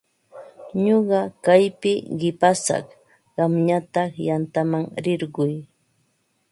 Ñuqa kaypi qipasaq, qamñataq yantaman rirquy.